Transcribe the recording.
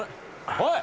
おい！